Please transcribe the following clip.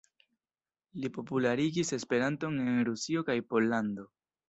Li popularigis Esperanton en Rusio kaj Pollando.